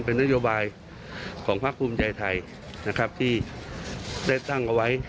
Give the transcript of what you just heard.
เซอร์ไฟให้ไหนนะ